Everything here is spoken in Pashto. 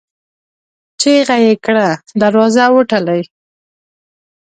چيغه يې کړه! دروازه وتړئ!